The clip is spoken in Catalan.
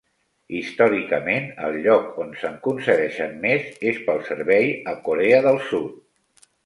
Històricament, el lloc on se'n concedeixen més és pel servei a Corea del Sud.